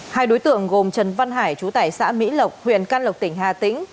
hai đối tượng gồm trần văn hải chú tải xã mỹ lộc huyện can lộc tỉnh hà tĩnh